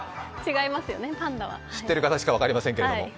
知っている方しか分かりませんけれども。